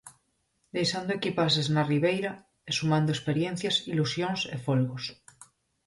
Deixando equipaxes na ribeira e sumando experiencias, ilusións e folgos.